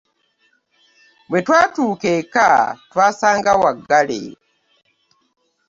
Bwe twatuuka eka twasanga waggale.